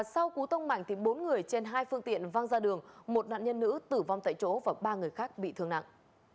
sau cú tông mạnh bốn người trên hai phương tiện văng ra đường một nạn nhân nữ tử vong tại chỗ và ba người khác bị thương nặng